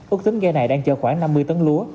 ước tính ghe này đang chở khoảng năm mươi tấn lúa